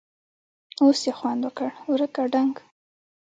اوس یې خوند وکړ٬ ورکه ډنګ!